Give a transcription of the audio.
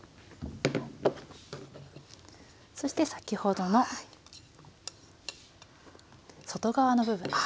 そして先ほどの外側の部分ですね。